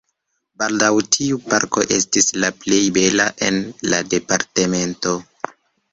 Baldaŭ tiu parko estis la plej bela en la departemento.